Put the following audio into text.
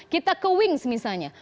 kita ke wings misalnya